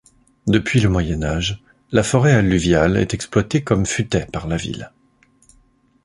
Depuis le Moyen Âge, la forêt alluviale est exploitée comme futaie par la ville.